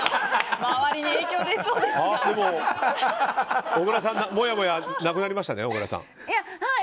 でも、小倉さんもやもやなくなりましたか？